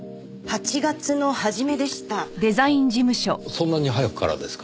そんなに早くからですか。